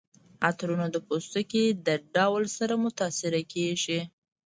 عطرونه د پوستکي د ډول سره متاثره کیږي.